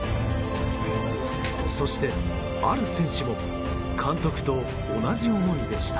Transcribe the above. そして、ある選手も監督と同じ思いでした。